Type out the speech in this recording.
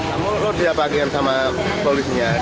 kamu harus diapakan sama polisnya